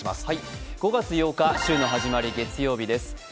５月８日、週の始まり月曜日です。